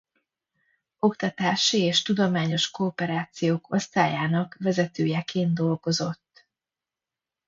Oktatási és Tudományos Kooperációk Osztályának vezetőjeként dolgozott.